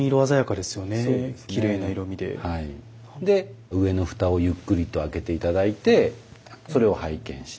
で上の蓋をゆっくりと開けて頂いてそれを拝見して。